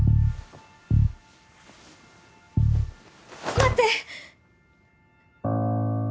待って！